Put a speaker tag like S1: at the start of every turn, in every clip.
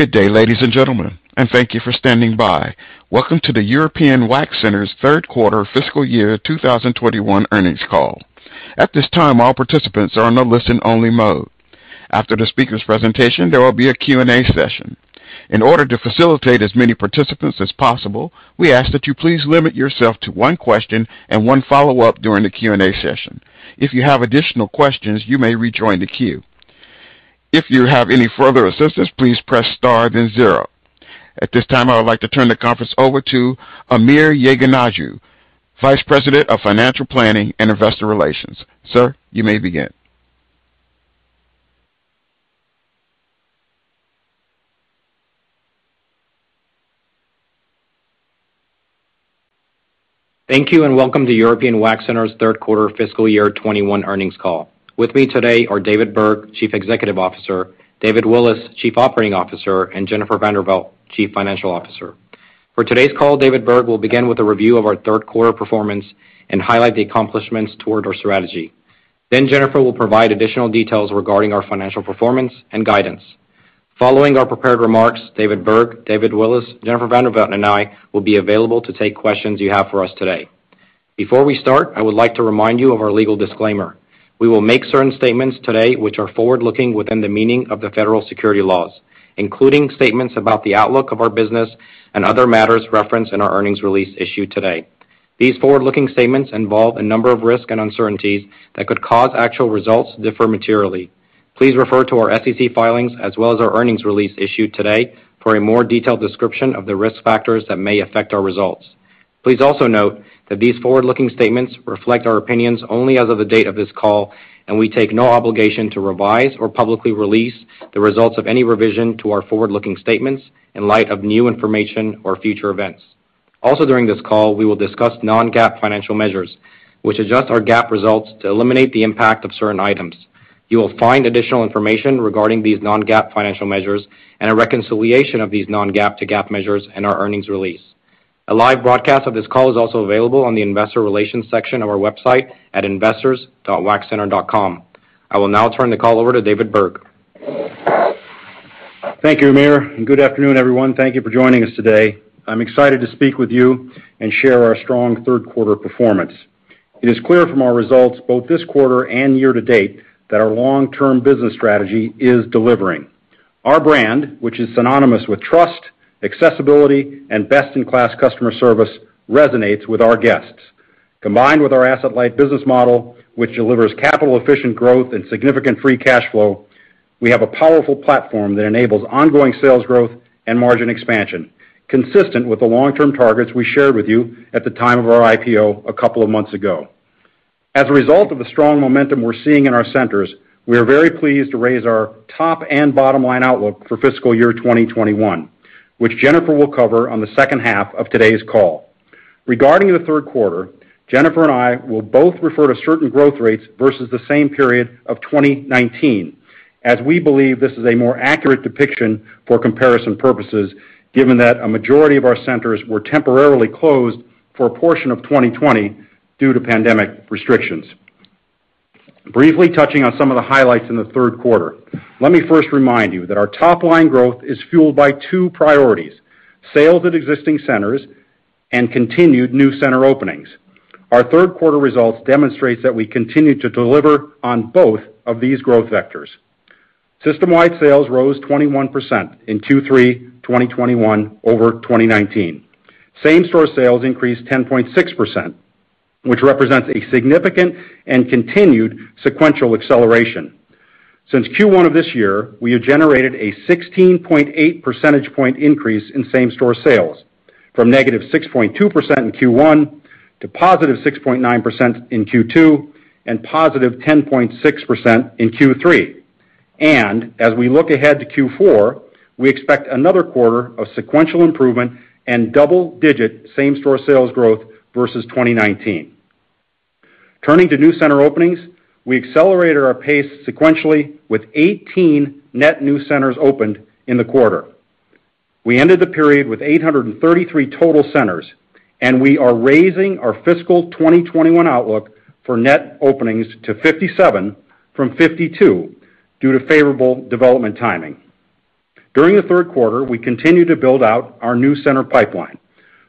S1: Good day, ladies and gentlemen, and thank you for standing by. Welcome to the European Wax Center's third quarter fiscal year 2021 earnings call. At this time, all participants are in a listen-only mode. After the speaker's presentation, there will be a Q&A session. In order to facilitate as many participants as possible, we ask that you please limit yourself to one question and one follow-up during the Q&A session. If you have additional questions, you may rejoin the queue. If you have any further assistance, please press star then zero. At this time, I would like to turn the conference over to Amir Yeganehjoo, Vice President of Financial Planning and Investor Relations. Sir, you may begin.
S2: Thank you, and welcome to European Wax Center's third quarter fiscal year 2021 earnings call. With me today are David Berg, Chief Executive Officer; David Willis, Chief Operating Officer; and Jennifer Vanderveldt, Chief Financial Officer. For today's call, David Berg will begin with a review of our third quarter performance and highlight the accomplishments toward our strategy. Then Jennifer will provide additional details regarding our financial performance and guidance. Following our prepared remarks, David Berg, David Willis, Jennifer Vanderveldt, and I will be available to take questions you have for us today. Before we start, I would like to remind you of our legal disclaimer. We will make certain statements today which are forward-looking within the meaning of the federal securities laws, including statements about the outlook of our business and other matters referenced in our earnings release issued today. These forward-looking statements involve a number of risks and uncertainties that could cause actual results to differ materially. Please refer to our SEC filings as well as our earnings release issued today for a more detailed description of the risk factors that may affect our results. Please also note that these forward-looking statements reflect our opinions only as of the date of this call, and we take no obligation to revise or publicly release the results of any revision to our forward-looking statements in light of new information or future events. Also, during this call, we will discuss non-GAAP financial measures, which adjust our GAAP results to eliminate the impact of certain items. You will find additional information regarding these non-GAAP financial measures and a reconciliation of these non-GAAP to GAAP measures in our earnings release. A live broadcast of this call is also available on the Investor Relations section of our website at investors.waxcenter.com. I will now turn the call over to David Berg.
S3: Thank you, Amir, and good afternoon, everyone. Thank you for joining us today. I'm excited to speak with you and share our strong third quarter performance. It is clear from our results, both this quarter and year to date, that our long-term business strategy is delivering. Our brand, which is synonymous with trust, accessibility, and best-in-class customer service, resonates with our guests. Combined with our asset-light business model, which delivers capital-efficient growth and significant free cash flow, we have a powerful platform that enables ongoing sales growth and margin expansion, consistent with the long-term targets we shared with you at the time of our IPO a couple of months ago. As a result of the strong momentum we're seeing in our centers, we are very pleased to raise our top- and bottom-line outlook for fiscal year 2021, which Jennifer will cover on the second half of today's call. Regarding the third quarter, Jennifer and I will both refer to certain growth rates versus the same period of 2019 as we believe this is a more accurate depiction for comparison purposes, given that a majority of our centers were temporarily closed for a portion of 2020 due to pandemic restrictions. Briefly touching on some of the highlights in the third quarter, let me first remind you that our top-line growth is fueled by two priorities, sales at existing centers and continued new center openings. Our third quarter results demonstrates that we continue to deliver on both of these growth vectors. System-wide sales rose 21% in Q3 2021 over 2019. Same-store sales increased 10.6%, which represents a significant and continued sequential acceleration. Since Q1 of this year, we have generated a 16.8 percentage point increase in same-store sales, from -6.2% in Q1 to 6.9% in Q2 and 10.6% in Q3. As we look ahead to Q4, we expect another quarter of sequential improvement and double-digit same-store sales growth versus 2019. Turning to new center openings, we accelerated our pace sequentially with 18 net new centers opened in the quarter. We ended the period with 833 total centers, and we are raising our fiscal 2021 outlook for net openings to 57 from 52 due to favorable development timing. During the third quarter, we continued to build out our new center pipeline.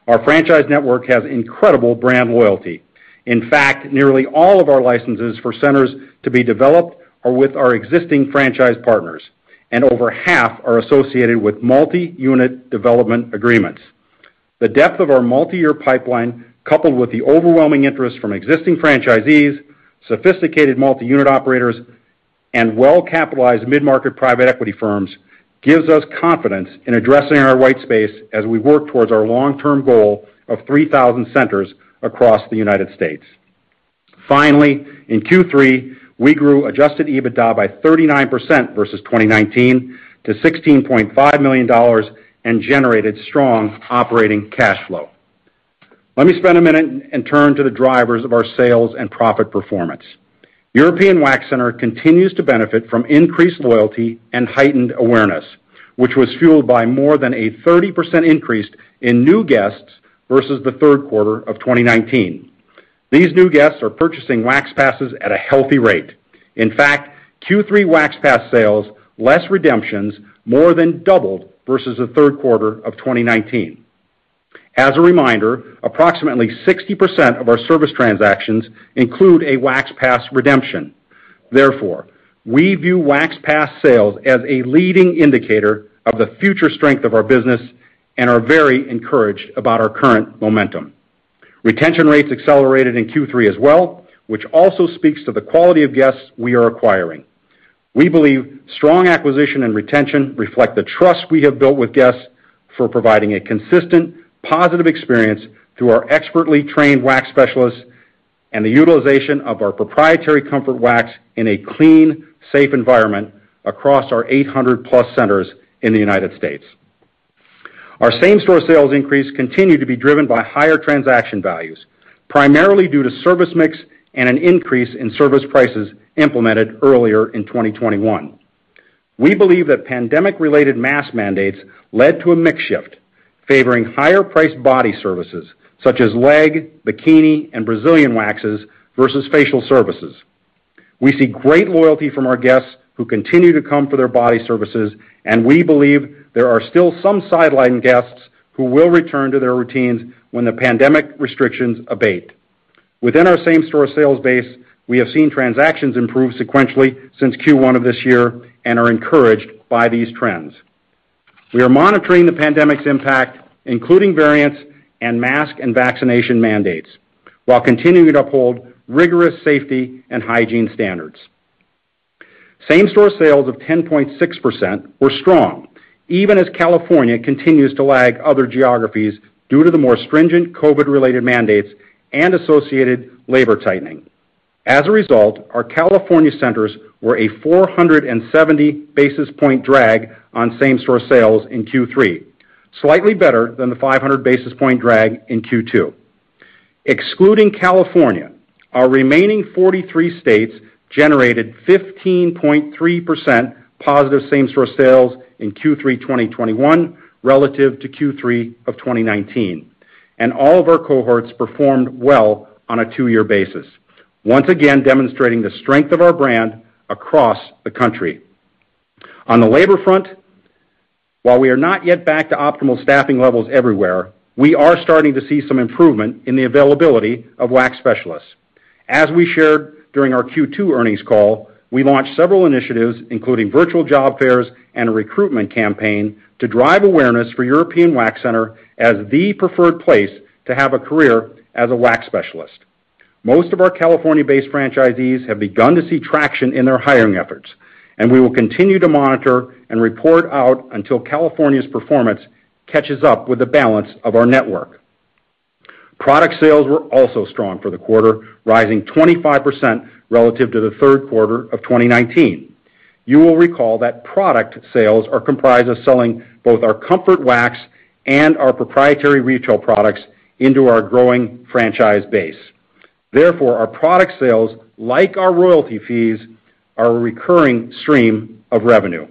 S3: Our franchise network has incredible brand loyalty. In fact, nearly all of our licenses for centers to be developed are with our existing franchise partners, and over half are associated with multi-unit development agreements. The depth of our multi-year pipeline, coupled with the overwhelming interest from existing franchisees, sophisticated multi-unit operators, and well-capitalized mid-market private equity firms, gives us confidence in addressing our white space as we work towards our long-term goal of 3,000 centers across the United States. Finally, in Q3, we grew Adjusted EBITDA by 39% versus 2019 to $16.5 million and generated strong operating cash flow. Let me spend a minute and turn to the drivers of our sales and profit performance. European Wax Center continues to benefit from increased loyalty and heightened awareness, which was fueled by more than a 30% increase in new guests versus the third quarter of 2019. These new guests are purchasing Wax Passes at a healthy rate. In fact, Q3 Wax Pass sales, less redemptions, more than doubled versus the third quarter of 2019. As a reminder, approximately 60% of our service transactions include a Wax Pass redemption. Therefore, we view Wax Pass sales as a leading indicator of the future strength of our business and are very encouraged about our current momentum. Retention rates accelerated in Q3 as well, which also speaks to the quality of guests we are acquiring. We believe strong acquisition and retention reflect the trust we have built with guests for providing a consistent positive experience through our expertly trained wax specialists and the utilization of our proprietary Comfort Wax in a clean, safe environment across our 800+ centers in the United States. Our same-store sales increase continued to be driven by higher transaction values, primarily due to service mix and an increase in service prices implemented earlier in 2021. We believe that pandemic-related mask mandates led to a mix shift favoring higher-priced body services, such as leg, bikini, and Brazilian waxes versus facial services. We see great loyalty from our guests who continue to come for their body services, and we believe there are still some sidelined guests who will return to their routines when the pandemic restrictions abate. Within our same-store sales base, we have seen transactions improve sequentially since Q1 of this year and are encouraged by these trends. We are monitoring the pandemic's impact, including variants and mask and vaccination mandates, while continuing to uphold rigorous safety and hygiene standards. Same-store sales of 10.6% were strong, even as California continues to lag other geographies due to the more stringent COVID-related mandates and associated labor tightening. As a result, our California centers were a 470 basis point drag on same-store sales in Q3, slightly better than the 500 basis point drag in Q2. Excluding California, our remaining 43 states generated 15.3% positive same-store sales in Q3 2021 relative to Q3 of 2019, and all of our cohorts performed well on a two-year basis, once again demonstrating the strength of our brand across the country. On the labor front, while we are not yet back to optimal staffing levels everywhere, we are starting to see some improvement in the availability of wax specialists. As we shared during our Q2 earnings call, we launched several initiatives, including virtual job fairs and a recruitment campaign, to drive awareness for European Wax Center as the preferred place to have a career as a wax specialist. Most of our California-based franchisees have begun to see traction in their hiring efforts, and we will continue to monitor and report out until California's performance catches up with the balance of our network. Product sales were also strong for the quarter, rising 25% relative to the third quarter of 2019. You will recall that product sales are comprised of selling both our Comfort Wax and our proprietary retail products into our growing franchise base. Therefore, our product sales, like our royalty fees, are a recurring stream of revenue.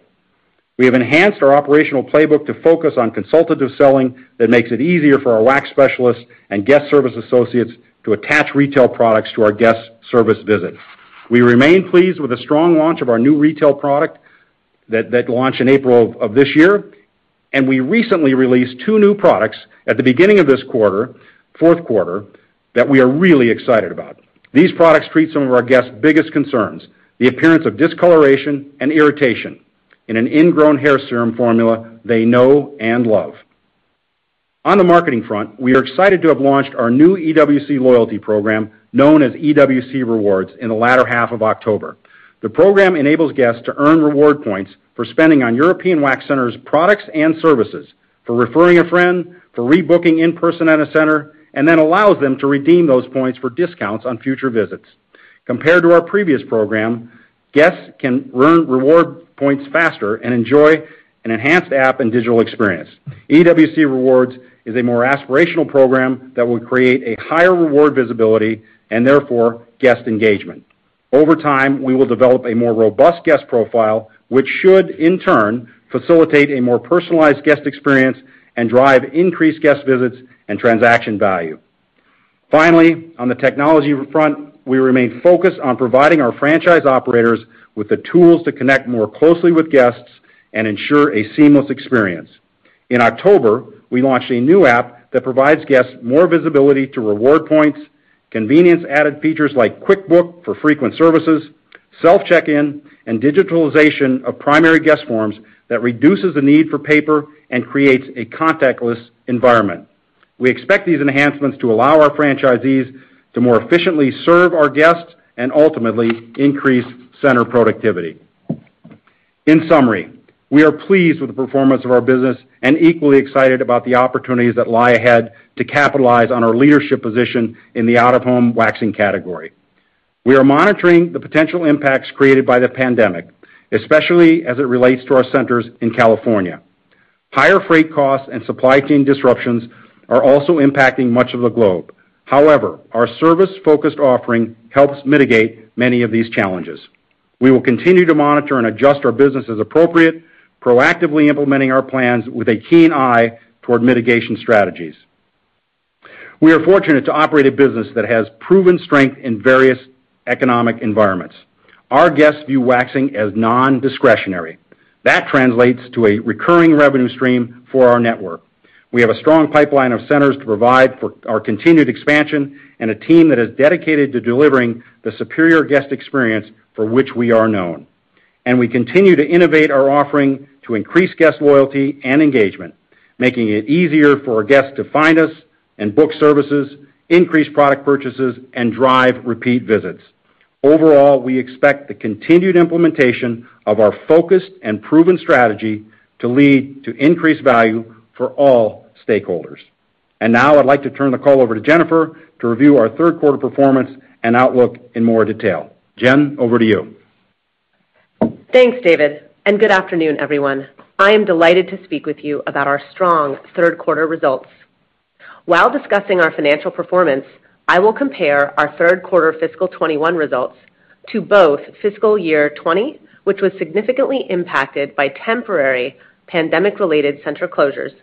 S3: We have enhanced our operational playbook to focus on consultative selling that makes it easier for our wax specialists and guest service associates to attach retail products to our guest service visit. We remain pleased with the strong launch of our new retail product that launched in April of this year, and we recently released two new products at the beginning of this quarter, fourth quarter, that we are really excited about. These products treat some of our guests' biggest concerns, the appearance of discoloration and irritation in an ingrown hair serum formula they know and love. On the marketing front, we are excited to have launched our new EWC loyalty program known as EWC Rewards in the latter half of October. The program enables guests to earn reward points for spending on European Wax Center's products and services, for referring a friend, for rebooking in person at a center, and then allows them to redeem those points for discounts on future visits. Compared to our previous program, guests can earn reward points faster and enjoy an enhanced app and digital experience. EWC Rewards is a more aspirational program that will create a higher reward visibility and therefore guest engagement. Over time, we will develop a more robust guest profile, which should, in turn, facilitate a more personalized guest experience and drive increased guest visits and transaction value. Finally, on the technology front, we remain focused on providing our franchise operators with the tools to connect more closely with guests and ensure a seamless experience. In October, we launched a new app that provides guests more visibility to reward points, convenience-added features like QuickBook for frequent services, self check-in, and digitalization of primary guest forms that reduces the need for paper and creates a contactless environment. We expect these enhancements to allow our franchisees to more efficiently serve our guests and ultimately increase center productivity. In summary, we are pleased with the performance of our business and equally excited about the opportunities that lie ahead to capitalize on our leadership position in the out-of-home waxing category. We are monitoring the potential impacts created by the pandemic, especially as it relates to our centers in California. Higher freight costs and supply chain disruptions are also impacting much of the globe. However, our service-focused offering helps mitigate many of these challenges. We will continue to monitor and adjust our business as appropriate, proactively implementing our plans with a keen eye toward mitigation strategies. We are fortunate to operate a business that has proven strength in various economic environments. Our guests view waxing as nondiscretionary. That translates to a recurring revenue stream for our network. We have a strong pipeline of centers to provide for our continued expansion and a team that is dedicated to delivering the superior guest experience for which we are known. We continue to innovate our offering to increase guest loyalty and engagement, making it easier for our guests to find us and book services, increase product purchases, and drive repeat visits. Overall, we expect the continued implementation of our focused and proven strategy to lead to increased value for all stakeholders. Now I'd like to turn the call over to Jennifer to review our third quarter performance and outlook in more detail. Jen, over to you.
S4: Thanks, David, and good afternoon, everyone. I am delighted to speak with you about our strong third quarter results. While discussing our financial performance, I will compare our third quarter fiscal 2021 results to both fiscal year 2020, which was significantly impacted by temporary pandemic-related center closures,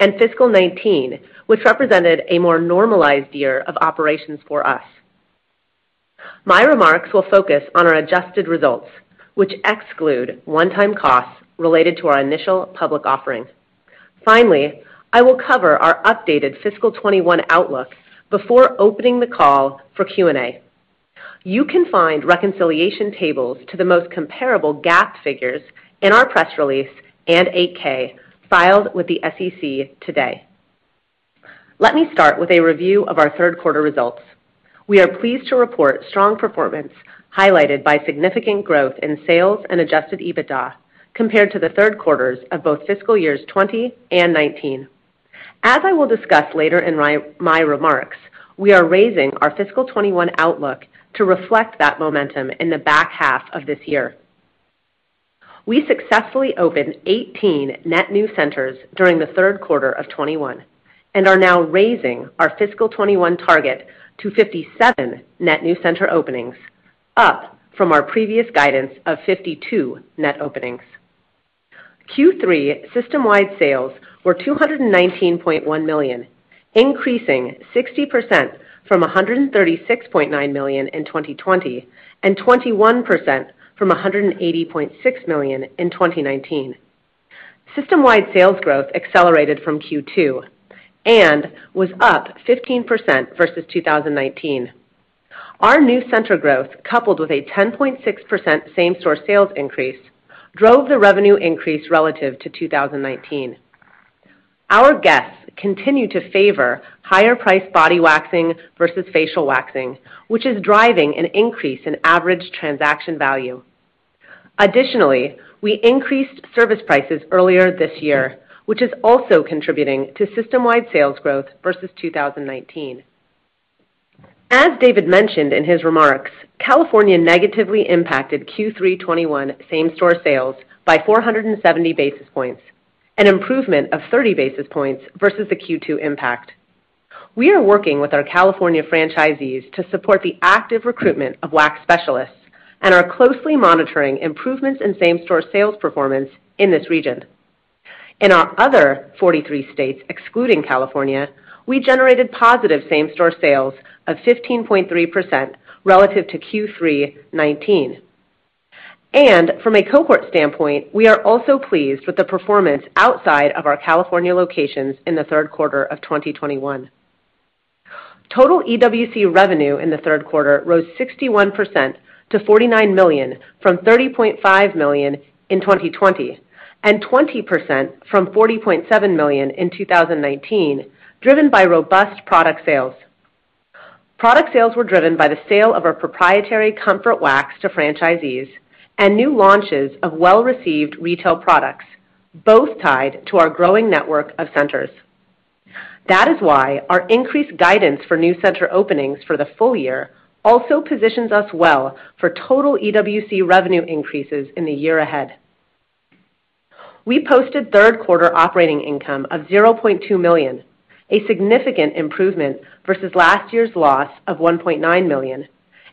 S4: and fiscal 2019, which represented a more normalized year of operations for us. My remarks will focus on our adjusted results, which exclude one-time costs related to our initial public offering. Finally, I will cover our updated fiscal 2021 outlook before opening the call for Q&A. You can find reconciliation tables to the most comparable GAAP figures in our press release and 8-K filed with the SEC today. Let me start with a review of our third quarter results. We are pleased to report strong performance highlighted by significant growth in sales and Adjusted EBITDA compared to the third quarters of both fiscal years 2020 and 2019. As I will discuss later in my remarks, we are raising our fiscal 2021 outlook to reflect that momentum in the back half of this year. We successfully opened 18 net new centers during the third quarter of 2021 and are now raising our fiscal 2021 target to 57 net new center openings, up from our previous guidance of 52 net openings. Q3 system-wide sales were $219.1 million, increasing 60% from $136.9 million in 2020 and 21% from $180.6 million in 2019. System-wide sales growth accelerated from Q2 and was up 15% versus 2019. Our new center growth, coupled with a 10.6% same-store sales increase, drove the revenue increase relative to 2019. Our guests continue to favor higher-priced body waxing versus facial waxing, which is driving an increase in average transaction value. Additionally, we increased service prices earlier this year, which is also contributing to system-wide sales growth versus 2019. As David mentioned in his remarks, California negatively impacted Q3 2021 same-store sales by 470 basis points, an improvement of 30 basis points versus the Q2 impact. We are working with our California franchisees to support the active recruitment of wax specialists and are closely monitoring improvements in same-store sales performance in this region. In our other 43 states, excluding California, we generated positive same-store sales of 15.3% relative to Q3 2019. From a cohort standpoint, we are also pleased with the performance outside of our California locations in the third quarter of 2021. Total EWC revenue in the third quarter rose 61% to $49 million from $30.5 million in 2020 and 20% from $40.7 million in 2019, driven by robust product sales. Product sales were driven by the sale of our proprietary Comfort Wax to franchisees and new launches of well-received retail products, both tied to our growing network of centers. That is why our increased guidance for new center openings for the full year also positions us well for total EWC revenue increases in the year ahead. We posted third quarter operating income of $0.2 million, a significant improvement versus last year's loss of $1.9 million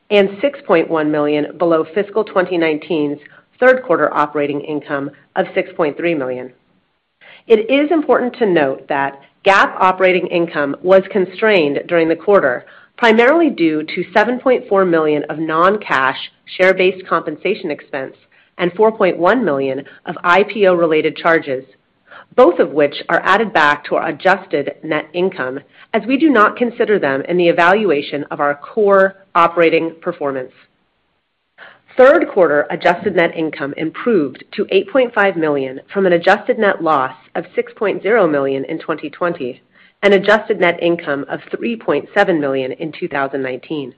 S4: and $6.1 million below fiscal 2019's third quarter operating income of $6.3 million. It is important to note that GAAP operating income was constrained during the quarter, primarily due to $7.4 million of non-cash share-based compensation expense and $4.1 million of IPO-related charges, both of which are added back to our adjusted net income, as we do not consider them in the evaluation of our core operating performance. Third quarter adjusted net income improved to $8.5 million from an adjusted net loss of $6.0 million in 2020 and adjusted net income of $3.7 million in 2019.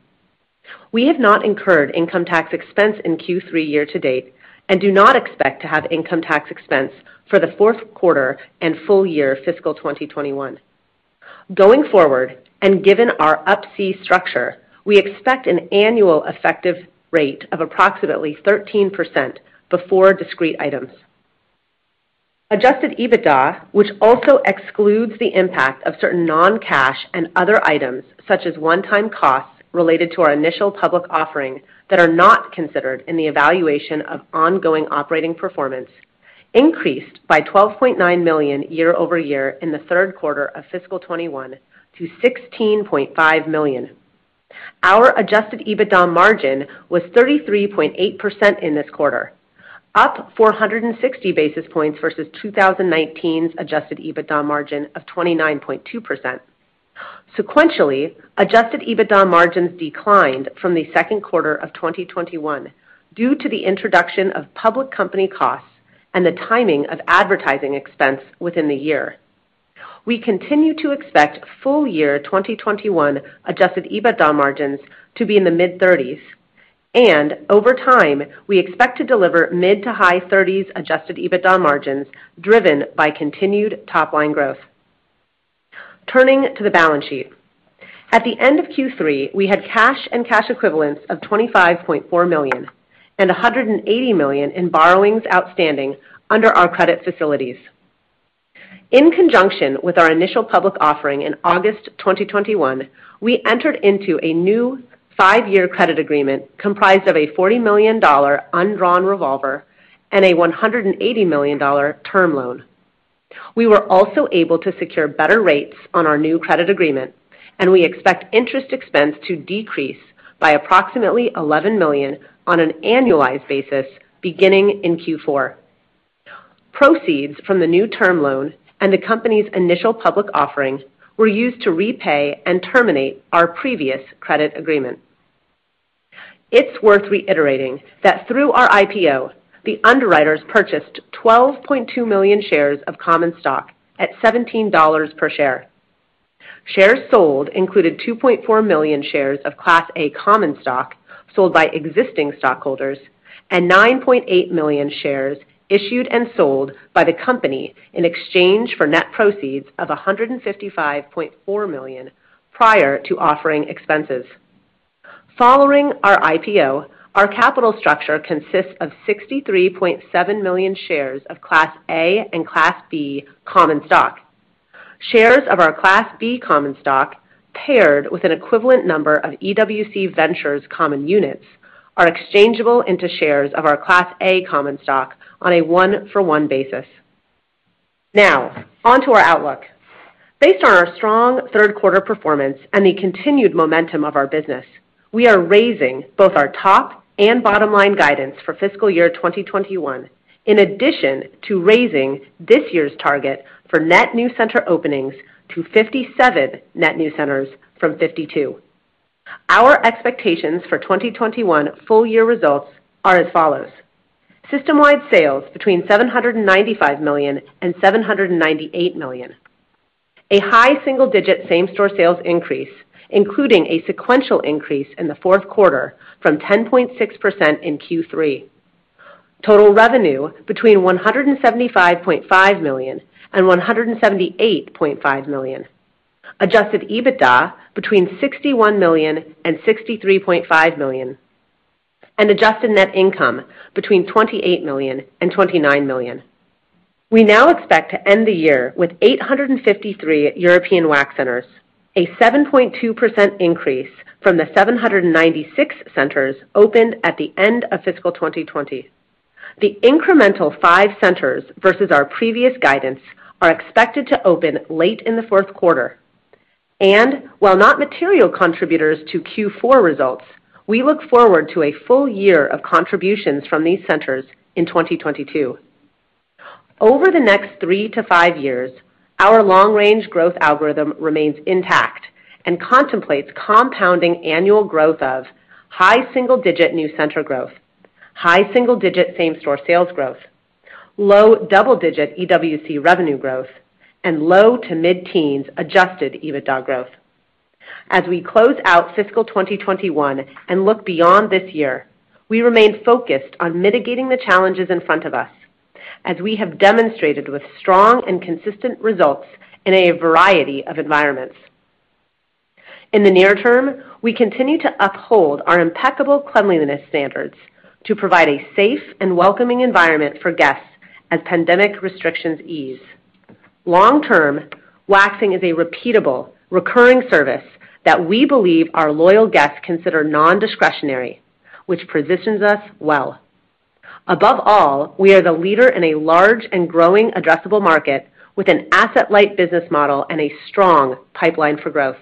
S4: We have not incurred income tax expense in Q3 year-to-date and do not expect to have income tax expense for the fourth quarter and full year fiscal 2021. Going forward, and given our up-front fee structure, we expect an annual effective rate of approximately 13% before discrete items. Adjusted EBITDA, which also excludes the impact of certain non-cash and other items, such as one-time costs related to our initial public offering that are not considered in the evaluation of ongoing operating performance, increased by $12.9 million year-over-year in the third quarter of fiscal 2021 to $16.5 million. Our adjusted EBITDA margin was 33.8% in this quarter, up 460 basis points versus 2019's adjusted EBITDA margin of 29.2%. Sequentially, Adjusted EBITDA margins declined from the second quarter of 2021 due to the introduction of public company costs and the timing of advertising expense within the year. We continue to expect full year 2021 Adjusted EBITDA margins to be in the mid-30s%, and over time, we expect to deliver mid- to high-30s% Adjusted EBITDA margins driven by continued top line growth. Turning to the balance sheet. At the end of Q3, we had cash and cash equivalents of $25.4 million and $180 million in borrowings outstanding under our credit facilities. In conjunction with our initial public offering in August 2021, we entered into a new five-year credit agreement comprised of a $40 million undrawn revolver and a $180 million term loan. We were also able to secure better rates on our new credit agreement, and we expect interest expense to decrease by approximately $11 million on an annualized basis beginning in Q4. Proceeds from the new term loan and the company's initial public offering were used to repay and terminate our previous credit agreement. It's worth reiterating that through our IPO, the underwriters purchased 12.2 million shares of common stock at $17 per share. Shares sold included 2.4 million shares of Class A common stock sold by existing stockholders and 9.8 million shares issued and sold by the company in exchange for net proceeds of $155.4 million prior to offering expenses. Following our IPO, our capital structure consists of 63.7 million shares of Class A and Class B common stock. Shares of our Class B common stock paired with an equivalent number of EWC Ventures common units are exchangeable into shares of our Class A common stock on a one-for-one basis. Now, on to our outlook. Based on our strong third quarter performance and the continued momentum of our business, we are raising both our top and bottom line guidance for fiscal year 2021, in addition to raising this year's target for net new center openings to 57 net new centers from 52. Our expectations for 2021 full year results are as follows. System-wide sales between $795 million and $798 million. A high single-digit same-store sales increase, including a sequential increase in the fourth quarter from 10.6% in Q3. Total revenue between $175.5 million and $178.5 million. Adjusted EBITDA between $61 million and $63.5 million. Adjusted net income between $28 million and $29 million. We now expect to end the year with 853 European Wax Centers, a 7.2% increase from the 796 centers opened at the end of fiscal 2020. The incremental five centers versus our previous guidance are expected to open late in the fourth quarter. While not material contributors to Q4 results, we look forward to a full year of contributions from these centers in 2022. Over the next three to five years, our long-range growth algorithm remains intact and contemplates compounding annual growth of high single-digit new center growth, high single-digit same-store sales growth, low double-digit EWC revenue growth, and low to mid-teens adjusted EBITDA growth. As we close out fiscal 2021 and look beyond this year, we remain focused on mitigating the challenges in front of us, as we have demonstrated with strong and consistent results in a variety of environments. In the near term, we continue to uphold our impeccable cleanliness standards to provide a safe and welcoming environment for guests as pandemic restrictions ease. Long term, waxing is a repeatable, recurring service that we believe our loyal guests consider non-discretionary, which positions us well. Above all, we are the leader in a large and growing addressable market with an asset-light business model and a strong pipeline for growth.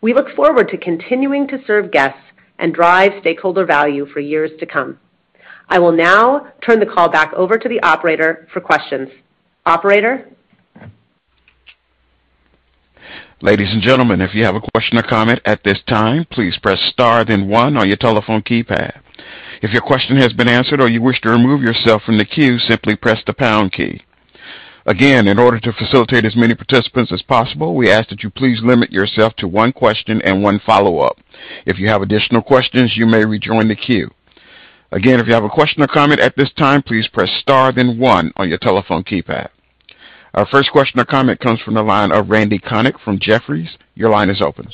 S4: We look forward to continuing to serve guests and drive stakeholder value for years to come. I will now turn the call back over to the operator for questions. Operator?
S1: Ladies and gentlemen, if you have a question or comment at this time, please press star then one on your telephone keypad. If your question has been answered or you wish to remove yourself from the queue, simply press the pound key. Again, in order to facilitate as many participants as possible, we ask that you please limit yourself to one question and one follow-up. If you have additional questions, you may rejoin the queue. Again, if you have a question or comment at this time, please press star then one on your telephone keypad. Our first question or comment comes from the line of Randy Konik from Jefferies. Your line is open.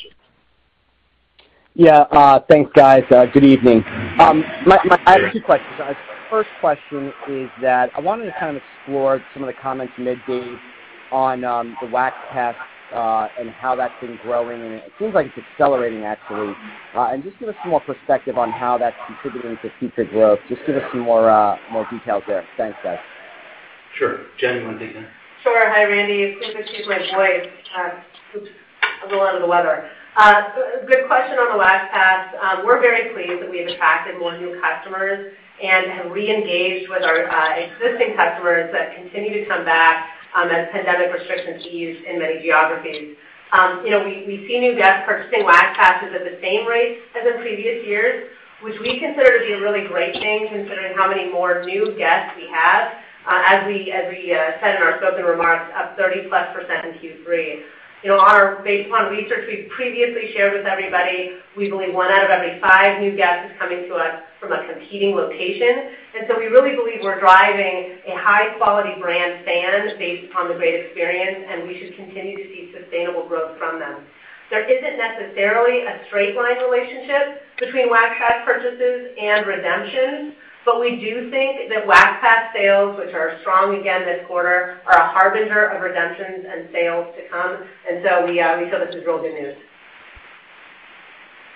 S5: Yeah. Thanks, guys. Good evening.
S3: Good day.
S5: I have two questions. First question is that I wanted to kind of explore some of the comments you made, Dave, on the Wax Pass and how that's been growing. It seems like it's accelerating actually. Just give us some more perspective on how that's contributing to future growth. Just give us some more details there. Thanks, guys.
S3: Sure. Jen, you wanna take that?
S4: Sure. Hi, Randy. Excuse the state of my voice. A little out of the weather. Good question on the Wax Pass. We're very pleased that we have attracted more new customers and have re-engaged with our existing customers that continue to come back, as pandemic restrictions ease in many geographies. You know, we see new guests purchasing Wax Passes at the same rate as in previous years, which we consider to be a really great thing considering how many more new guests we have, as we said in our spoken remarks, up 30%+ in Q3. You know, based on research we've previously shared with everybody, we believe one out of every five new guests is coming to us from a competing location. We really believe we're driving a high quality brand standard based upon the great experience, and we should continue to see sustainable growth from them. There isn't necessarily a straight line relationship between Wax Pass purchases and redemptions, but we do think that Wax Pass sales, which are strong again this quarter, are a harbinger of redemptions and sales to come. We feel this is real good news.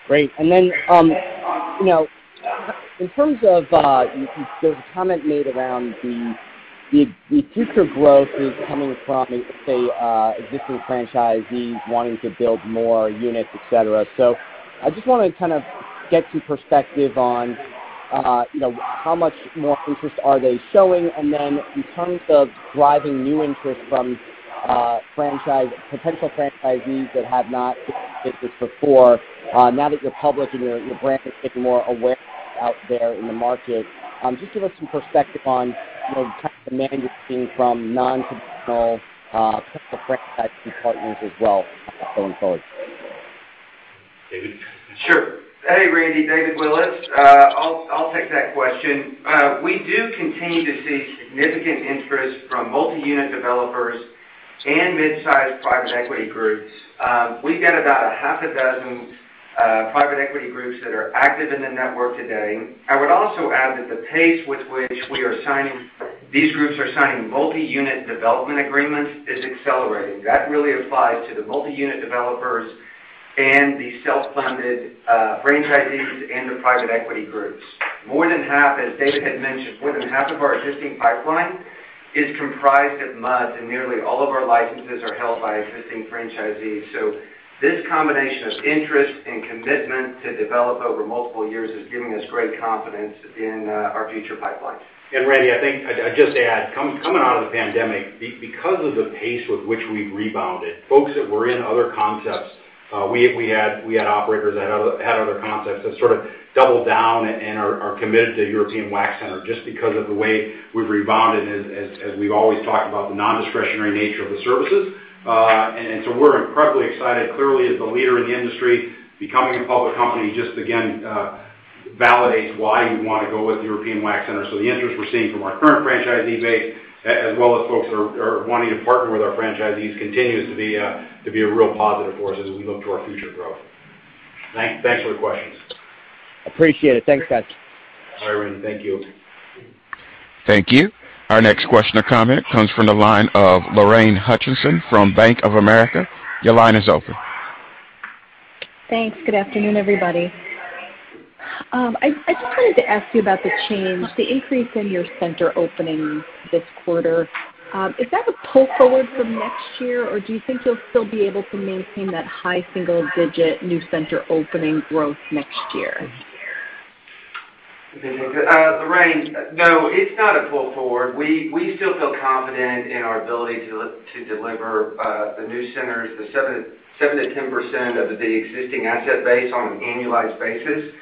S5: Great. You know, in terms of, there was a comment made around the future growth is coming from, say, existing franchisees wanting to build more units, et cetera. I just wanna kind of get your perspective on how much more interest are they showing? In terms of driving new interest from potential franchisees that have not visited before, now that you're public and your brand is getting more aware out there in the market, just give us some perspective on the type of demand you're seeing from non-traditional potential franchisee partners as well going forward.
S3: David?
S6: Sure. Hey, Randy. David Willis. I'll take that question. We do continue to see significant interest from multi-unit developers and mid-sized private equity groups. We've got about 6 private equity groups that are active in the network today. I would also add that the pace with which these groups are signing multi-unit development agreements is accelerating. That really applies to the multi-unit developers and the self-funded franchisees and the private equity groups. More than half, as David had mentioned, of our existing pipeline is comprised of MUDs, and nearly all of our licenses are held by existing franchisees. This combination of interest and commitment to develop over multiple years is giving us great confidence in our future pipeline.
S3: Randy, I think I'd just add, coming out of the pandemic, because of the pace with which we've rebounded, folks that were in other concepts, we had operators that had other concepts have sort of doubled down and are committed to European Wax Center just because of the way we've rebounded, as we've always talked about the non-discretionary nature of the services. We're incredibly excited. Clearly, as the leader in the industry, becoming a public company just again validates why you'd wanna go with the European Wax Center. The interest we're seeing from our current franchisee base, as well as folks are wanting to partner with our franchisees continues to be a real positive for us as we look to our future growth. Thanks for the questions.
S5: Appreciate it. Thanks, guys.
S3: Bye, Randy. Thank you.
S1: Thank you. Our next question or comment comes from the line of Lorraine Hutchinson from Bank of America. Your line is open.
S7: Thanks. Good afternoon, everybody. I just wanted to ask you about the change, the increase in your center openings this quarter. Is that a pull forward from next year, or do you think you'll still be able to maintain that high single digit new center opening growth next year?
S6: Lorraine, no, it's not a pull forward. We still feel confident in our ability to deliver the new centers, the 7%-10% of the existing asset base on an annualized basis.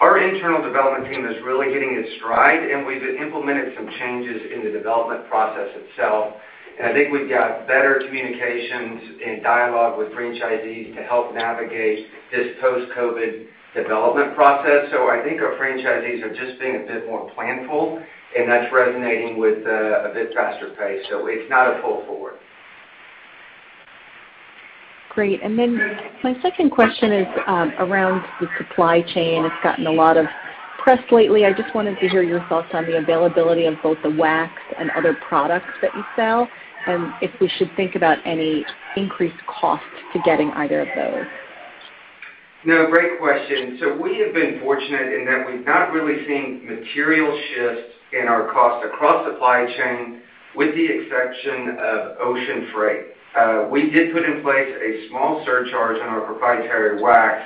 S6: Our internal development team is really hitting its stride, and we've implemented some changes in the development process itself. I think we've got better communications and dialogue with franchisees to help navigate this post-COVID development process. I think our franchisees are just being a bit more planful, and that's resonating with a bit faster pace. It's not a pull forward.
S7: Great. My second question is around the supply chain. It's gotten a lot of press lately. I just wanted to hear your thoughts on the availability of both the wax and other products that you sell and if we should think about any increased cost to getting either of those.
S6: No, great question. We have been fortunate in that we've not really seen material shifts in our cost across supply chain with the exception of ocean freight. We did put in place a small surcharge on our proprietary wax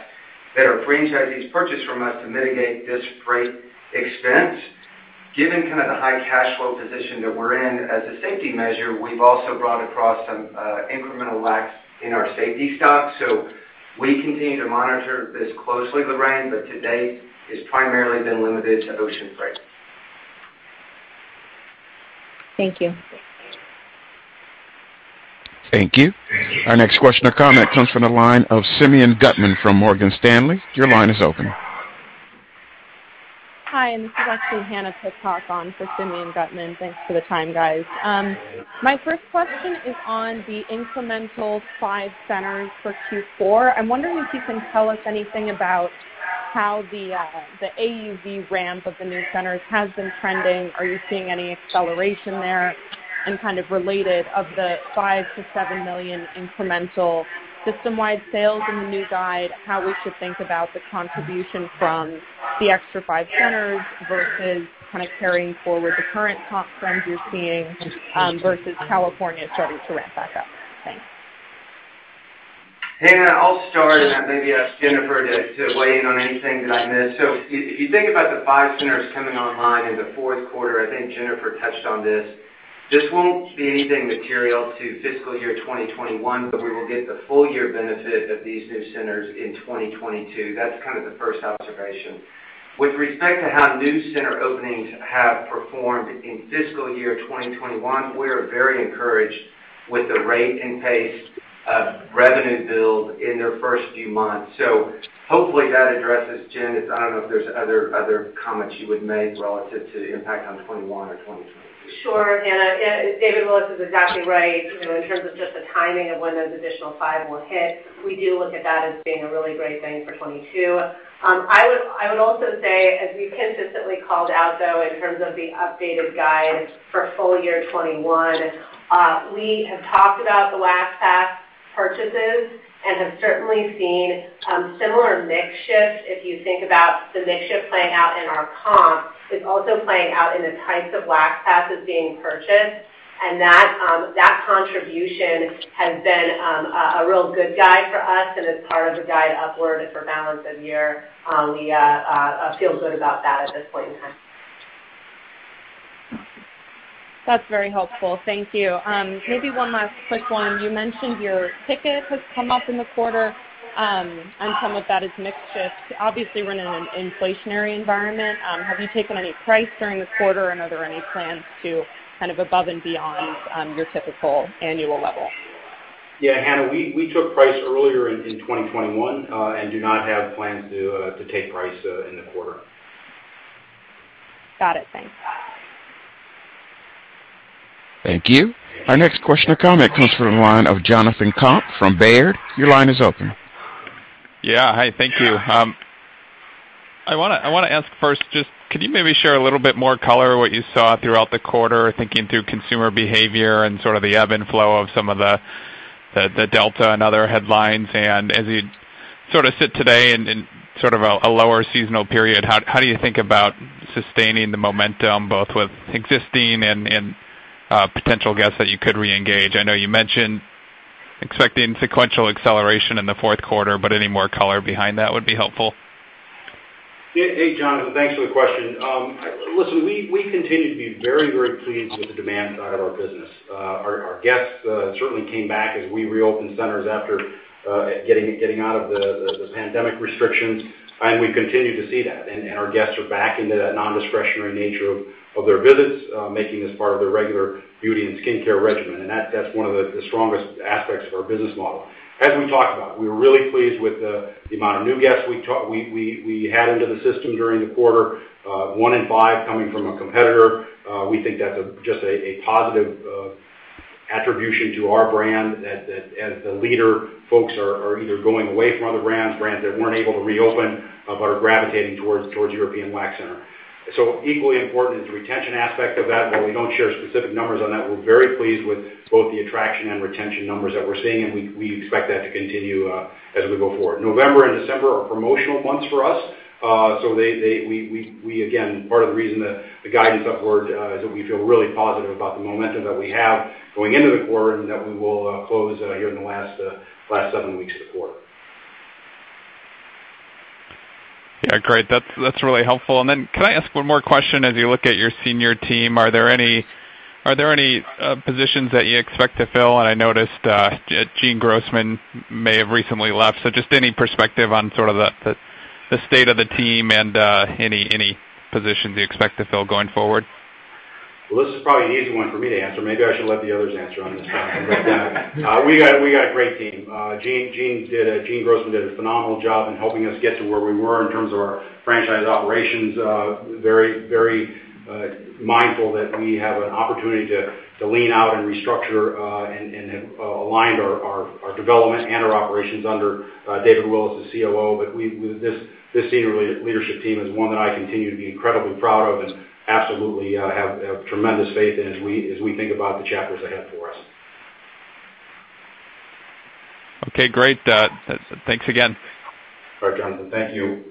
S6: that our franchisees purchase from us to mitigate this freight expense. Given kind of the high cash flow position that we're in, as a safety measure, we've also brought across some incremental wax in our safety stock. We continue to monitor this closely, Lorraine, but to date it's primarily been limited to ocean freight.
S7: Thank you.
S1: Thank you. Our next question or comment comes from the line of Simeon Gutman from Morgan Stanley. Your line is open.
S8: Hi, this is actually Hannah for Simeon Gutman. Thanks for the time, guys. My first question is on the incremental five centers for Q4. I'm wondering if you can tell us anything about how the AUV ramp of the new centers has been trending. Are you seeing any acceleration there? Kind of related, of the $5 million-$7 million incremental system-wide sales in the new guide, how we should think about the contribution from the extra five centers versus kind of carrying forward the current comp trends you're seeing versus California starting to ramp back up. Thanks.
S6: Hannah, I'll start and then maybe ask Jennifer to weigh in on anything that I missed. If you think about the five centers coming online in the fourth quarter, I think Jennifer touched on this. This won't be anything material to fiscal year 2021, but we will get the full year benefit of these new centers in 2022. That's kind of the first observation. With respect to how new center openings have performed in fiscal year 2021, we are very encouraged with the rate and pace of revenue build in their first few months. Hopefully that addresses Jen. I don't know if there's other comments you would make relative to the impact on 21 or 2022.
S4: Sure, Hannah. Yeah, David Willis is exactly right. You know, in terms of just the timing of when those additional five will hit. We do look at that as being a really great thing for 2022. I would also say, as we've consistently called out, though, in terms of the updated guide for full year 2021, we have talked about the Wax Pass purchases and have certainly seen similar mix shift. If you think about the mix shift playing out in our comp, it's also playing out in the types of Wax Passes being purchased. That contribution has been a real good guide for us and is part of the guide upward for balance of year. We feel good about that at this point in time.
S8: That's very helpful. Thank you. Maybe one last quick one. You mentioned your ticket has come up in the quarter, and some of that is mix shift. Obviously, we're in an inflationary environment. Have you taken any price during the quarter, and are there any plans to kind of above and beyond your typical annual level?
S3: Yeah, Hannah, we took price earlier in 2021 and do not have plans to take price in the quarter.
S8: Got it. Thanks.
S1: Thank you. Our next question or comment comes from the line of Jonathan Komp from Baird. Your line is open.
S9: Yeah. Hi, thank you. I wanna ask first, just could you maybe share a little bit more color what you saw throughout the quarter, thinking through consumer behavior and sort of the ebb and flow of some of the Delta and other headlines. As you sort of sit today in sort of a lower seasonal period, how do you think about sustaining the momentum both with existing and potential guests that you could reengage? I know you mentioned expecting sequential acceleration in the fourth quarter, but any more color behind that would be helpful.
S3: Hey, Jonathan, thanks for the question. Listen, we continue to be very, very pleased with the demand side of our business. Our guests certainly came back as we reopened centers after getting out of the pandemic restrictions, and we continue to see that. Our guests are back into that non-discretionary nature of their visits, making this part of their regular beauty and skincare regimen. That's one of the strongest aspects of our business model. As we talked about, we were really pleased with the amount of new guests we had into the system during the quarter. One in five coming from a competitor. We think that's just a positive attribution to our brand, that as the leader, folks are either going away from other brands that weren't able to reopen, but are gravitating towards European Wax Center. Equally important is the retention aspect of that. While we don't share specific numbers on that, we're very pleased with both the attraction and retention numbers that we're seeing, and we expect that to continue as we go forward. November and December are promotional months for us. We again, part of the reason that the guidance upward is that we feel really positive about the momentum that we have going into the quarter and that we will close here in the last seven weeks of the quarter.
S9: Yeah. Great. That's really helpful. Can I ask one more question? As you look at your senior team, are there any positions that you expect to fill? I noticed Jean Grossman may have recently left, so just any perspective on sort of the state of the team and any positions you expect to fill going forward.
S3: Well, this is probably an easy one for me to answer. Maybe I should let the others answer on this one. We got a great team. Jean Grossman did a phenomenal job in helping us get to where we were in terms of our franchise operations. Very mindful that we have an opportunity to lean out and restructure, and have aligned our development and our operations under David Willis, the COO. This senior leadership team is one that I continue to be incredibly proud of and absolutely have tremendous faith in as we think about the chapters ahead for us.
S9: Okay, great. Thanks again.
S3: All right, Jonathan. Thank you.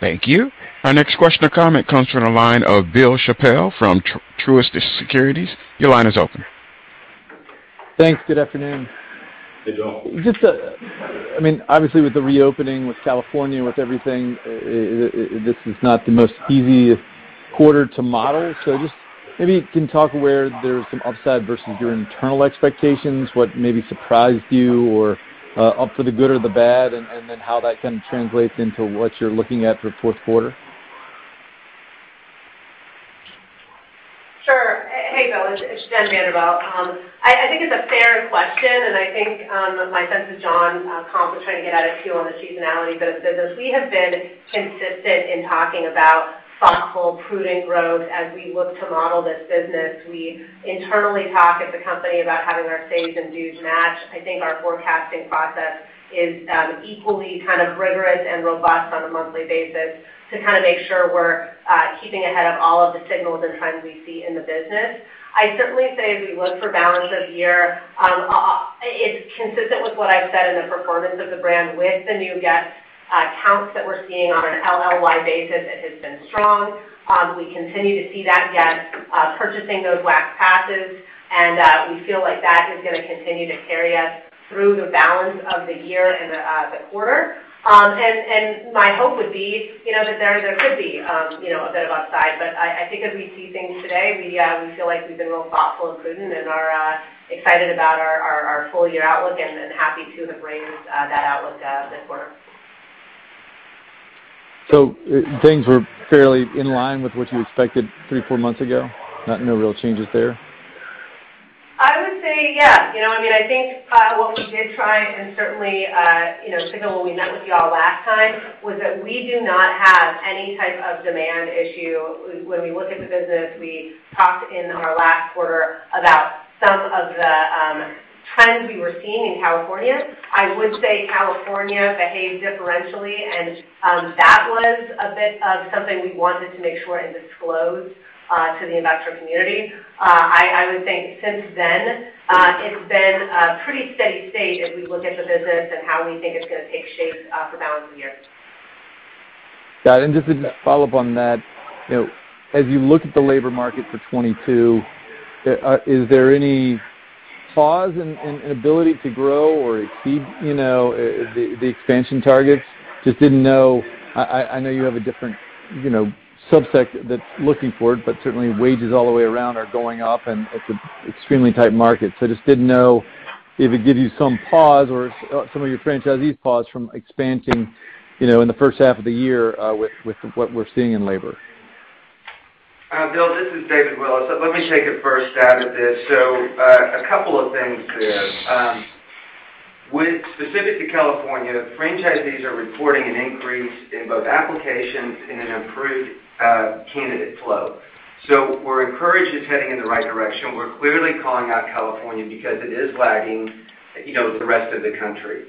S1: Thank you. Our next question or comment comes from the line of Bill Chappell from Truist Securities. Your line is open.
S10: Thanks. Good afternoon.
S3: Hey, Bill.
S10: Just, I mean, obviously with the reopening with California, with everything, this is not the most easiest quarter to model. Just maybe you can talk where there's some upside versus your internal expectations, what maybe surprised you or for the good or the bad, and then how that kind of translates into what you're looking at for fourth quarter.
S4: Sure. Hey, Bill, it's Jennifer Vanderveldt. I think it's a fair question, and I think my sense is Jonathan Komp was trying to get at it too on the seasonality of the business. We have been consistent in talking about thoughtful, prudent growth as we look to model this business. We internally talk as a company about having our sales and dues match. I think our forecasting process is equally kind of rigorous and robust on a monthly basis to make sure we're keeping ahead of all of the signals and trends we see in the business. I'd certainly say, as we look to the balance of the year, it's consistent with what I've said in the performance of the brand with the new guest counts that we're seeing on an LLY basis. It has been strong. We continue to see that guest purchasing those Wax Passes. We feel like that is gonna continue to carry us through the balance of the year and the quarter. My hope would be, you know, that there could be, you know, a bit of upside. I think as we see things today, we feel like we've been real thoughtful and prudent and are excited about our full year outlook and happy to have raised that outlook this quarter.
S10: Things were fairly in line with what you expected three, four months ago? Not, no real changes there?
S4: I would say, yeah. You know, I mean, I think what we did try and certainly you know, particularly when we met with you all last time, was that we do not have any type of demand issue when we look at the business. We talked in our last quarter about some of the trends we were seeing in California. I would say California behaved differentially, and that was a bit of something we wanted to make sure and disclose to the investor community. I would say since then, it's been a pretty steady state as we look at the business and how we think it's gonna take shape for balance of the year.
S10: Got it. Just to follow up on that, you know, as you look at the labor market for 2022, is there any pause in ability to grow or exceed, you know, the expansion targets? Just didn't know. I know you have a different, you know, subset that's looking for it, but certainly wages all the way around are going up, and it's an extremely tight market. I just didn't know if it gives you some pause or some of your franchisees pause from expanding, you know, in the first half of the year, with what we're seeing in labor.
S6: Bill, this is David Willis. Let me take a first stab at this. A couple of things there. With respect to California, franchisees are reporting an increase in both applications and an improved candidate flow. We're encouraged it's heading in the right direction. We're clearly calling out California because it is lagging, you know, the rest of the country.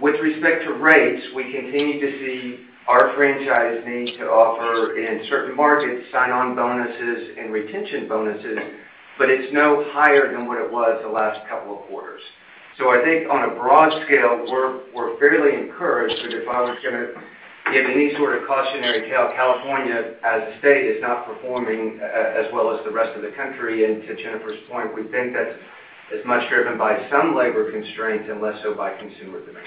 S6: With respect to rates, we continue to see our franchisees to offer, in certain markets, sign-on bonuses and retention bonuses, but it's no higher than what it was the last couple of quarters. I think on a broad scale, we're fairly encouraged, but if I was gonna give any sort of cautionary tale, California as a state is not performing as well as the rest of the country. To Jennifer's point, we think that's as much driven by some labor constraints and less so by consumer demand.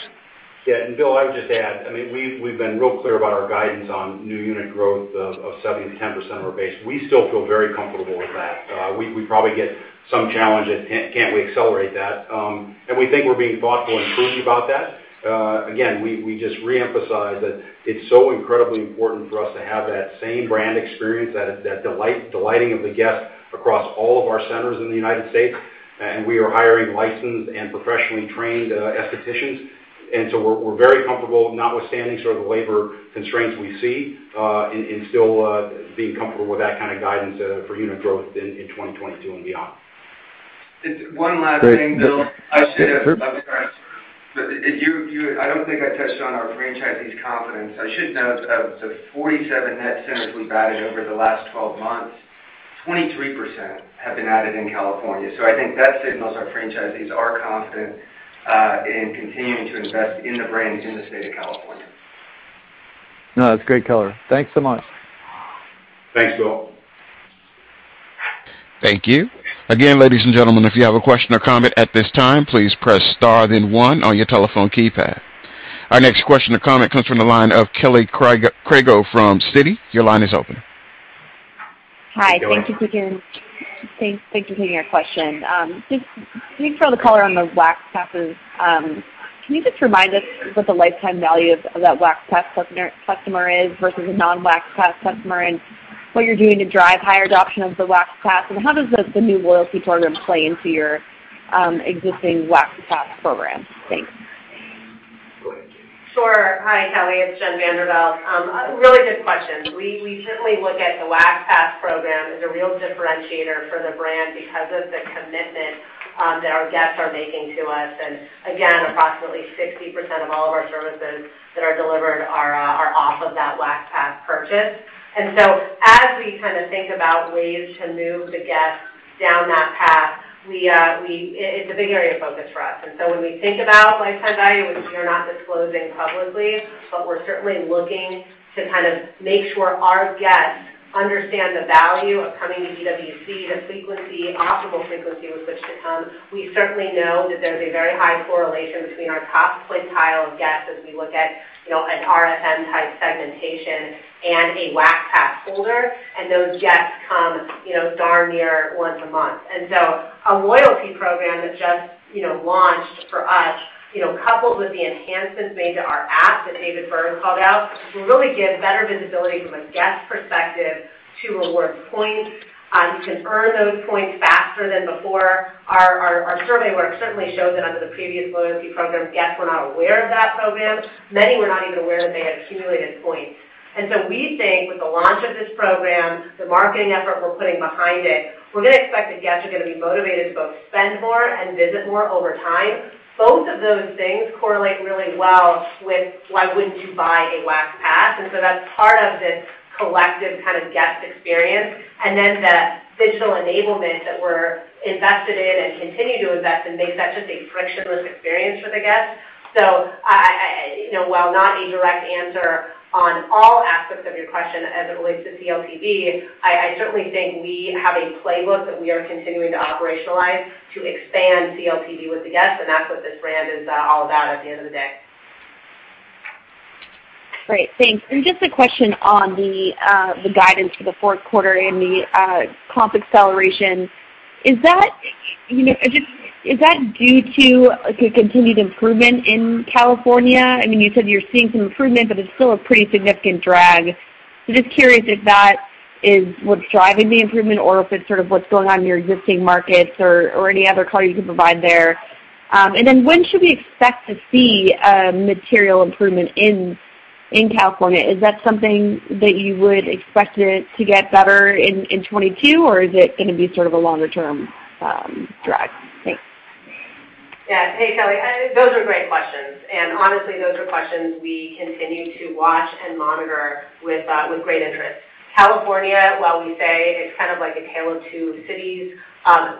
S3: Yeah. Bill, I would just add, I mean, we've been real clear about our guidance on new unit growth of 7%-10% of our base. We still feel very comfortable with that. We probably get some challenge. Can't we accelerate that. We think we're being thoughtful and prudent about that. Again, we just reemphasize that it's so incredibly important for us to have that same brand experience, that delighting of the guest across all of our centers in the United States. We are hiring licensed and professionally trained aestheticians. We're very comfortable, notwithstanding sort of the labor constraints we see and still being comfortable with that kind of guidance for unit growth in 2022 and beyond.
S6: Just one last thing, Bill.
S10: Great.
S6: I should have-
S10: Sure.
S6: I'm sorry. If you I don't think I touched on our franchisees' confidence. I should note, of the 47 net centers we've added over the last 12 months, 23% have been added in California. I think that signals our franchisees are confident in continuing to invest in the brand in the state of California.
S10: No, that's great color. Thanks so much.
S3: Thanks, Bill.
S1: Thank you. Again, ladies and gentlemen, if you have a question or comment at this time, please press star then one on your telephone keypad. Our next question or comment comes from the line of Kelly Crago from Citi. Your line is open.
S11: Hi.
S6: Good morning.
S11: Thank you, again. Thanks. Thank you for taking our question. Just can you throw the color on the Wax Passes? Can you just remind us what the lifetime value of that Wax Pass customer is versus a non-Wax Pass customer and what you're doing to drive higher adoption of the Wax Pass? How does the new loyalty program play into your existing Wax Pass program? Thanks.
S6: Go ahead, Jen.
S4: Sure. Hi, Kelly. It's Jennifer Vanderveldt. Really good questions. We certainly look at the Wax Pass program as a real differentiator for the brand because of the commitment that our guests are making to us. Again, approximately 60% of all of our services that are delivered are off of that Wax Pass purchase. As we kind of think about ways to move the guests down that path, it's a big area of focus for us. When we think about lifetime value, which we are not disclosing publicly, but we're certainly looking to kind of make sure our guests understand the value of coming to EWC, the frequency, optimal frequency with which to come. We certainly know that there's a very high correlation between our top quintile of guests as we look at, you know, an RFM-type segmentation and a Wax Pass holder, and those guests come, you know, darn near once a month. A loyalty program that just, you know, launched for us, you know, coupled with the enhancements made to our app that David Berg called out, will really give better visibility from a guest perspective to reward points. You can earn those points faster than before. Our survey work certainly showed that under the previous loyalty program, guests were not aware of that program. Many were not even aware that they had accumulated points. We think with the launch of this program, the marketing effort we're putting behind it, we're gonna expect that guests are gonna be motivated to both spend more and visit more over time. Both of those things correlate really well with why wouldn't you buy a Wax Pass, and so that's part of this collective kind of guest experience. The digital enablement that we're invested in and continue to invest in makes that just a frictionless experience for the guest. I you know, while not a direct answer on all aspects of your question as it relates to CLTV, I certainly think we have a playbook that we are continuing to operationalize to expand CLTV with the guests, and that's what this brand is all about at the end of the day.
S11: Great. Thanks. Just a question on the guidance for the fourth quarter and the comp acceleration. Is that, you know, just due to, like, a continued improvement in California? I mean, you said you're seeing some improvement, but it's still a pretty significant drag. So just curious if that is what's driving the improvement or if it's sort of what's going on in your existing markets or any other color you can provide there. And then when should we expect to see a material improvement in California? Is that something that you would expect it to get better in 2022, or is it gonna be sort of a longer-term drag? Thanks.
S4: Yeah. Hey, Kelly. Those are great questions. Honestly, those are questions we continue to watch and monitor with great interest. California, while we say it's kind of like a tale of two cities,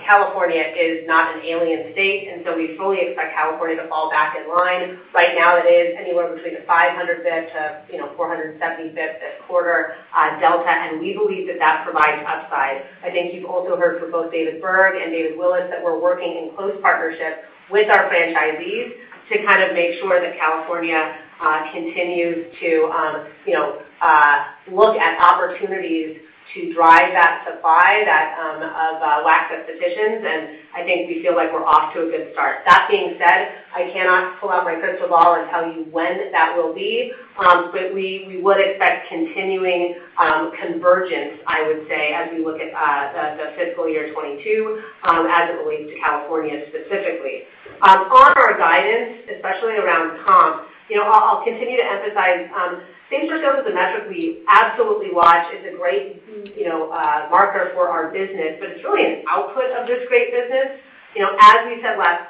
S4: California is not an alien state, and so we fully expect California to fall back in line. Right now it is anywhere between the 505th to, you know, 475th this quarter, Delta, and we believe that that provides upside. I think you've also heard from both David Berg and David Willis that we're working in close partnership with our franchisees to kind of make sure that California continues to look at opportunities to drive that supply that of lack of aestheticians. I think we feel like we're off to a good start. That being said, I cannot pull out my crystal ball and tell you when that will be. But we would expect continuing convergence, I would say, as we look at the fiscal year 2022, as it relates to California specifically. On our guidance, especially around comp, you know, I'll continue to emphasize, same-store sales is a metric we absolutely watch. It's a great, you know, marker for our business, but it's really an output of this great business. You know, as we said last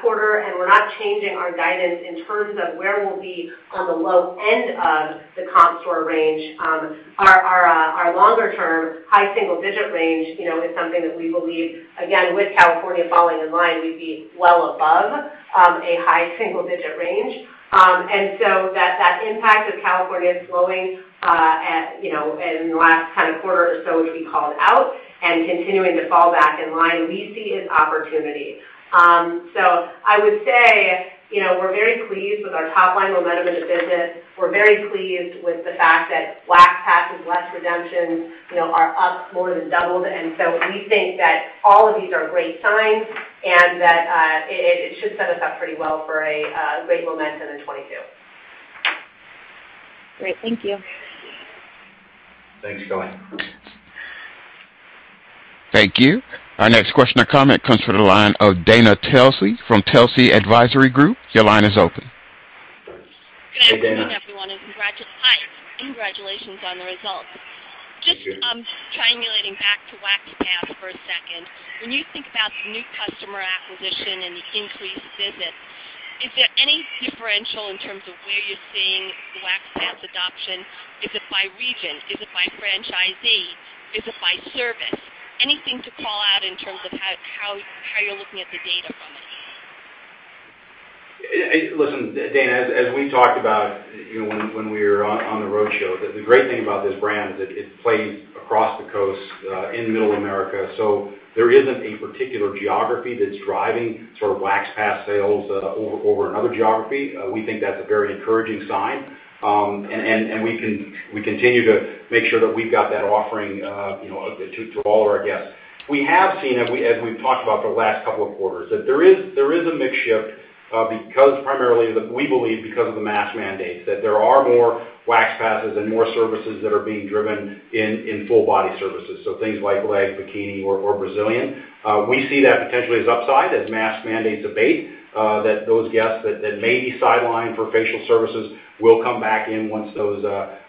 S4: quarter, and we're not changing our guidance in terms of where we'll be on the low end of the comp store range. Our longer-term, high single-digit range, you know, is something that we believe, again, with California falling in line, we'd be well above a high single-digit range. That impact of California slowing, you know, in the last kind of quarter or so, as we called out and continuing to fall back in line, we see as opportunity. I would say, you know, we're very pleased with our top-line momentum in the business. We're very pleased with the fact that Wax Pass and Wax Redemption, you know, are up more than doubled. We think that all of these are great signs and that it should set us up pretty well for great momentum in 2022.
S11: Great. Thank you.
S3: Thanks, Kelly.
S1: Thank you. Our next question or comment comes from the line of Dana Telsey from Telsey Advisory Group. Your line is open.
S12: Good afternoon-
S4: Hey, Dana.
S12: Everyone. Hi. Congratulations on the results.
S3: Thank you.
S12: Just, triangulating back to Wax Pass for a second. When you think about the new customer acquisition and the increased visits, is there any differential in terms of where you're seeing Wax Pass adoption? Is it by region? Is it by franchisee? Is it by service? Anything to call out in terms of how you're looking at the data from it?
S3: Listen, Dana, as we talked about, you know, when we were on the roadshow, the great thing about this brand is that it plays across the coast in Middle America. There isn't a particular geography that's driving sort of Wax Pass sales over another geography. We think that's a very encouraging sign. We continue to make sure that we've got that offering, you know, to all our guests. We have seen, as we've talked about the last couple of quarters, that there is a mix shift because primarily, we believe because of the mask mandates, that there are more Wax Passes and more services that are being driven in full body services. Things like leg, bikini or Brazilian. We see that potentially as upside as mask mandates abate, that those guests that may be sidelined for facial services will come back in once those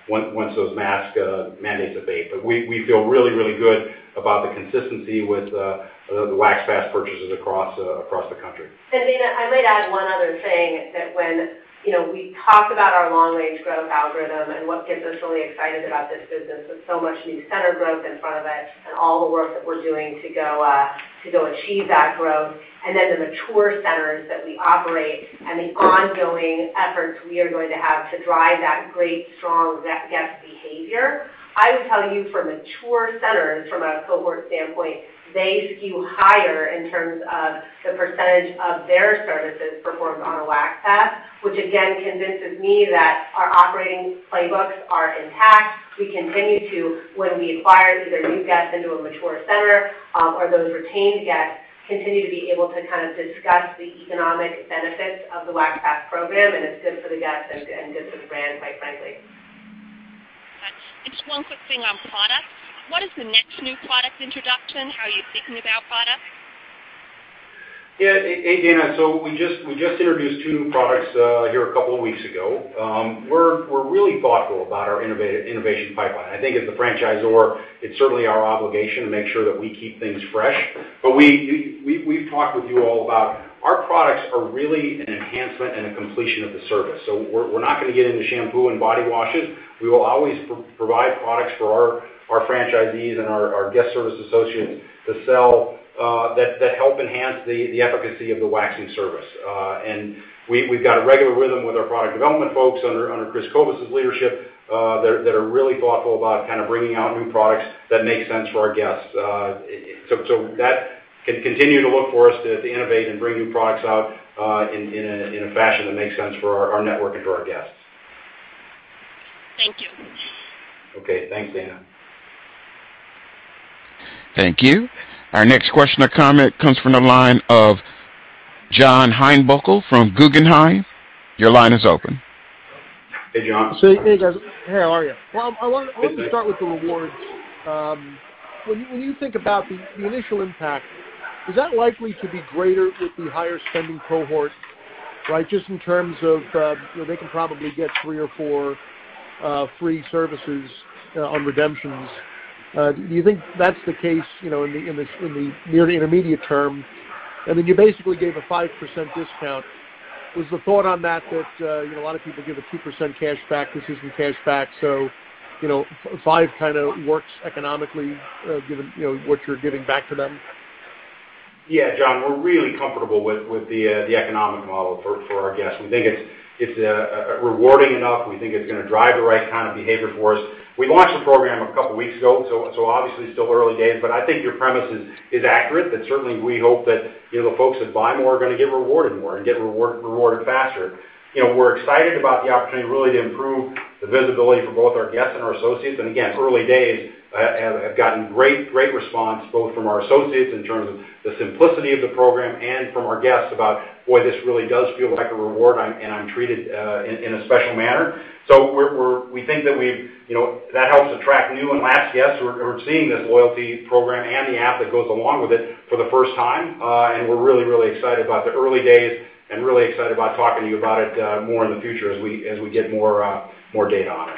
S3: mask mandates abate. We feel really good about the consistency with the Wax Pass purchases across the country.
S4: Dana, I might add one other thing that when, you know, we talk about our long range growth algorithm and what gets us really excited about this business, it's so much center growth in front of it and all the work that we're doing to go achieve that growth, and then the mature centers that we operate and the ongoing efforts we are going to have to drive that great strong guest behavior. I would tell you for mature centers from a cohort standpoint, they skew higher in terms of the percentage of their services performed on a Wax Pass, which again convinces me that our operating playbooks are intact. We continue to, when we acquire either new guests into a mature center, or those retained guests, continue to be able to kind of discuss the economic benefits of the Wax Pass program, and it's good for the guests and good for the brand, quite frankly.
S12: Just one quick thing on products. What is the next new product introduction? How are you thinking about products?
S3: Yeah. Hey, Dana. We just introduced two new products here a couple of weeks ago. We're really thoughtful about our innovation pipeline. I think as the franchisor, it's certainly our obligation to make sure that we keep things fresh. We've talked with you all about our products are really an enhancement and a completion of the service. We're not gonna get into shampoo and body washes. We will always provide products for our franchisees and our guest service associates to sell that help enhance the efficacy of the waxing service. We've got a regular rhythm with our product development folks under Chris Kobus' leadership that are really thoughtful about kind of bringing out new products that make sense for our guests. You can continue to look to us to innovate and bring new products out in a fashion that makes sense for our network and to our guests.
S12: Thank you.
S3: Okay. Thanks, Dana.
S1: Thank you. Our next question or comment comes from the line of John Heinbockel from Guggenheim. Your line is open.
S3: Hey, John.
S13: Hey, guys. Hey, how are you? Well, I want to start with the rewards. When you think about the initial impact, is that likely to be greater with the higher spending cohort, right? Just in terms of, you know, they can probably get three or four free services on redemptions. Do you think that's the case, you know, in the near to intermediate term? I mean, you basically gave a 5% discount. Was the thought on that, you know, a lot of people give a 2% cashback. This isn't cashback, so, you know, five kind of works economically, given, you know, what you're giving back to them.
S3: Yeah, John, we're really comfortable with the economic model for our guests. We think it's rewarding enough. We think it's gonna drive the right kind of behavior for us. We launched the program a couple weeks ago, so obviously still early days, but I think your premise is accurate, that certainly we hope that, you know, the folks that buy more are gonna get rewarded more and get rewarded faster. You know, we're excited about the opportunity really to improve the visibility for both our guests and our associates. Again, early days, have gotten great response both from our associates in terms of the simplicity of the program and from our guests about, boy, this really does feel like a reward, I'm treated in a special manner. We think that we've, you know, that helps attract new and lapsed guests who are seeing this loyalty program and the app that goes along with it for the first time. We're really, really excited about the early days and really excited about talking to you about it more in the future as we get more data on it.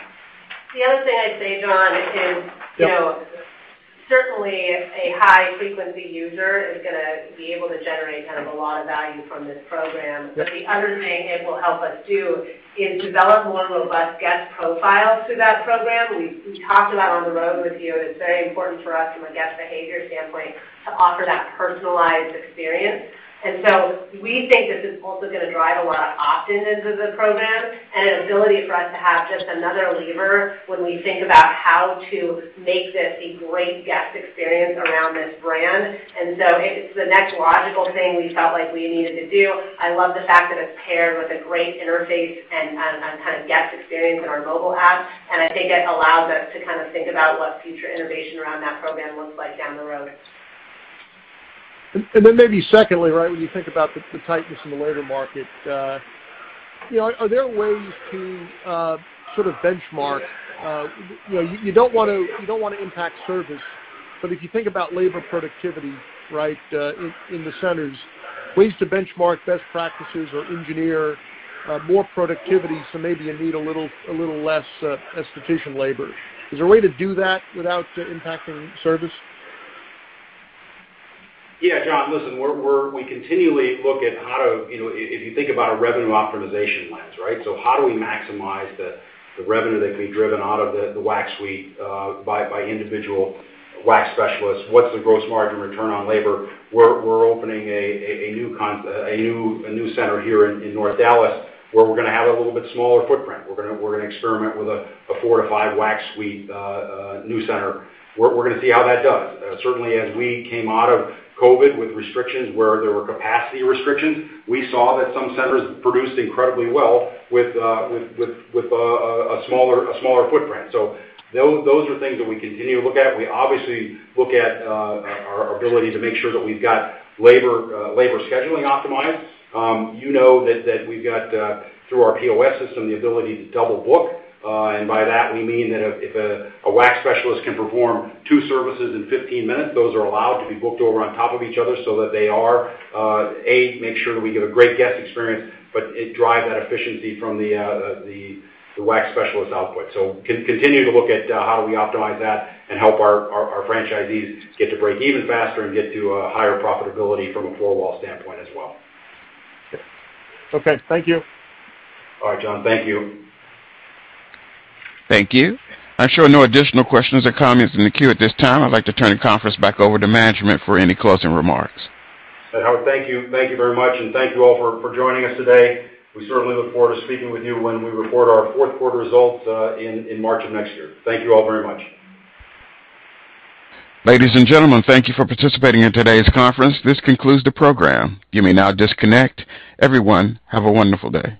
S4: The other thing I'd say, John, is.
S3: Yep.
S4: You know, certainly a high frequency user is gonna be able to generate kind of a lot of value from this program.
S3: Yep.
S4: The other thing it will help us do is develop more robust guest profiles through that program. We talked about on the road with you, and it's very important for us from a guest behavior standpoint to offer that personalized experience. We think this is also gonna drive a lot of opt-ins into the program and an ability for us to have just another lever when we think about how to make this a great guest experience around this brand. It's the next logical thing we felt like we needed to do. I love the fact that it's paired with a great interface and kind of guest experience in our mobile app, and I think it allows us to kind of think about what future innovation around that program looks like down the road.
S13: Maybe secondly, right, when you think about the tightness in the labor market, you know, are there ways to sort of benchmark, you know, you don't want to impact service, but if you think about labor productivity, right, in the centers, ways to benchmark best practices or engineer more productivity, so maybe you need a little less esthetician labor. Is there a way to do that without impacting service?
S3: Yeah. John, listen, we're we continually look at how to, you know, if you think about a revenue optimization lens, right? How do we maximize the revenue that can be driven out of the wax suite by individual wax specialists? What's the gross margin return on labor? We're opening a new center here in North Dallas, where we're gonna have a little bit smaller footprint. We're gonna experiment with a four- to five-wax suite new center. We're gonna see how that does. Certainly as we came out of COVID with restrictions where there were capacity restrictions, we saw that some centers produced incredibly well with a smaller footprint. Those are things that we continue to look at. We obviously look at our ability to make sure that we've got labor scheduling optimized. You know that we've got through our POS system the ability to double book. By that we mean that if a wax specialist can perform two services in 15 minutes, those are allowed to be booked over on top of each other so that they are and make sure that we give a great guest experience, but it drives that efficiency from the wax specialist output. Continue to look at how do we optimize that and help our franchisees get to break even faster and get to a higher profitability from a four-wall standpoint as well.
S13: Okay. Thank you.
S3: All right, John. Thank you.
S1: Thank you. I show no additional questions or comments in the queue at this time. I'd like to turn the conference back over to management for any closing remarks.
S3: Howard, thank you. Thank you very much, and thank you all for joining us today. We certainly look forward to speaking with you when we report our fourth quarter results in March of next year. Thank you all very much.
S1: Ladies and gentlemen, thank you for participating in today's conference. This concludes the program. You may now disconnect. Everyone, have a wonderful day.